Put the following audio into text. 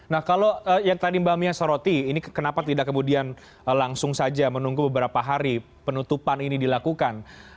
nah kalau yang tadi mbak mia soroti ini kenapa tidak kemudian langsung saja menunggu beberapa hari penutupan ini dilakukan